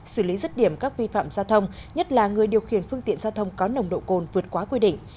xử lý rứt điểm các vi phạm giao thông nhất là người điều khiển phương tiện giao thông có nồng độ cồn vượt quá quy định